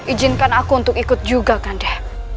ijinkan aku untuk ikut juga kakanda